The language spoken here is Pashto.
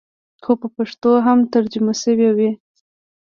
خو په پښتو هم ترجمه سوې وې.